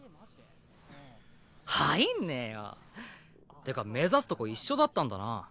入んねぇよ。ってか目指すとこ一緒だったんだな。